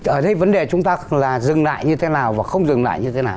ở đây vấn đề chúng ta là dừng lại như thế nào và không dừng lại như thế nào